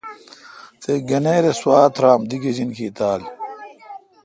تے°گنیر اے°سوا ترامدی گجینکی تھال۔